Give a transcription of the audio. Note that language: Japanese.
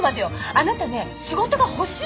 あなたね仕事が欲しいって。